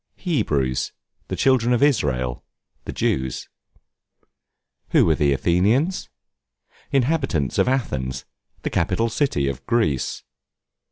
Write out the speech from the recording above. Hebrews, the children of Israel, the Jews Who were the Athenians? Inhabitants of Athens, the capital city of Greece.